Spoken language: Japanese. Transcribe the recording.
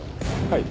はい。